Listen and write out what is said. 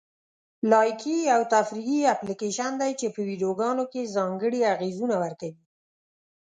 لایکي یو تفریحي اپلیکیشن دی چې په ویډیوګانو کې ځانګړي اغېزونه ورکوي.